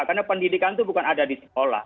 karena pendidikan itu bukan ada di sekolah